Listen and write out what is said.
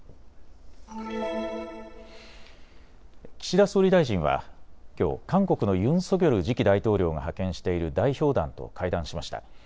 岸田総理大臣はきょう韓国のユン・ソギョル次期大統領が派遣している代表団と会談しました。